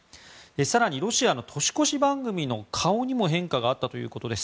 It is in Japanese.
更に、ロシアの年越し番組の顔にも変化があったということです。